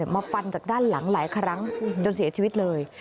มาฟันจากด้านหลังหลายครั้งจนเสียชีวิตเลย